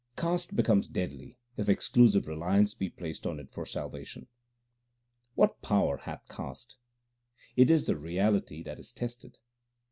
Caste becomes deadly if exclusive reliance be placed on it for salvation : What power hath caste ? It is the reality that is tested.